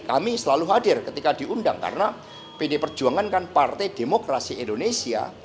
kami selalu hadir ketika diundang karena pd perjuangan kan partai demokrasi indonesia